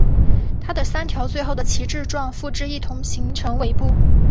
它的三条最后的旗帜状附肢一同形成尾部。